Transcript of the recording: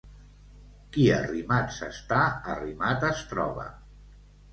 Qui arrimat s'està, arrimat es troba.